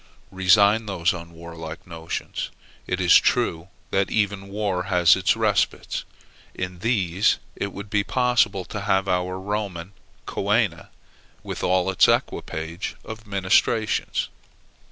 Resign these unwarlike notions. It is true that even war has its respites; in these it would be possible to have our Roman coena with all its equipage of ministrations.